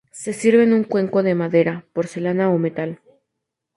Se sirve en un cuenco de madera, porcelana o metal.